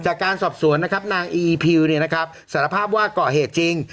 จากการสอบสวนนะครับนางอีอีพิวเนี่ยนะครับสารภาพว่าก่อเหตุจริง